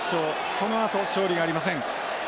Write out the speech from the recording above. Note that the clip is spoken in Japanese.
そのあと勝利がありません。